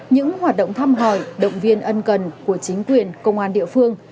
những hoạt động thăm hỏi động viên ân cần của chính quyền công an địa phương